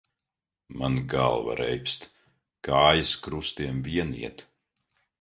Man galva reibst, kājas krustiem vien iet.